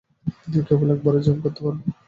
কেবল একবারই জাম্প করতে পারবে।